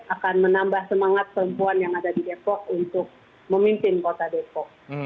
akan menambah semangat perempuan yang ada di depok untuk memimpin kota depok